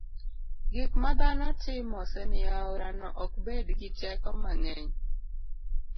gik ma dhano timo osemiyo aorano ok bed gi teko mang'eny.